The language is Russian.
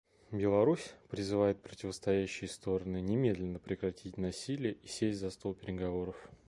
Беларусь призывает противостоящие стороны немедленно прекратить насилие и сесть за стол переговоров.